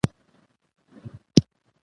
ما ورته د مور او د اکا د راتلو خبره وکړه.